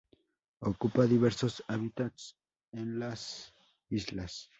Ocupa diversos hábitats en las islas.